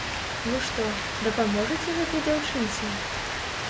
Вы што, дапаможаце гэтай дзяўчынцы?